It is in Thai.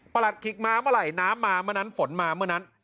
หลัดขิกมาเมื่อไหร่น้ำมาเมื่อนั้นฝนมาเมื่อนั้น